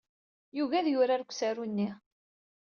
Yugi ad d-yurar deg usaru-nni.